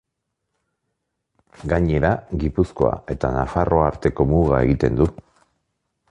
Gainera, Gipuzkoa eta Nafarroa arteko muga egiten du.